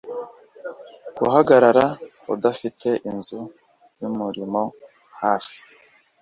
Guhagarara udafite inzu yumurima hafi